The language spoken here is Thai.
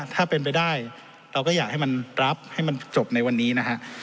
ถ้าเป็นไปได้เราก็อยากให้มันรับให้มันจบในวันนี้นะฮะ